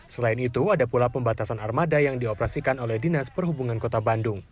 selain itu ada pula pembatasan armada yang dioperasikan oleh dinas perhubungan kota bandung